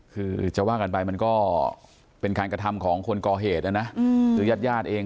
คือจะว่ากันไปมันก็เป็นการกระทำของคนก่อเหตุนะนะคือญาติญาติเอง